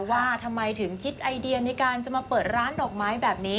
ว่าทำไมถึงคิดไอเดียในการจะมาเปิดร้านดอกไม้แบบนี้